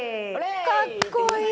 「かっこいい！」